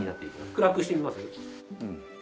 暗くしてみます？